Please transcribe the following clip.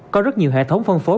có rất nhiều hệ thống phân phối